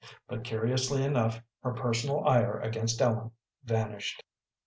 But, curiously enough, her personal ire against Ellen vanished.